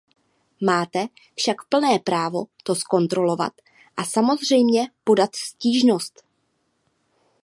Máte však plné právo to zkontrolovat a samozřejmě podat stížnost.